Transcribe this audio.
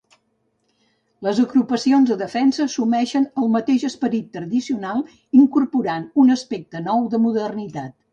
Les agrupacions de defensa assumeixen el mateix esperit tradicional incorporant un aspecte nou de modernitat.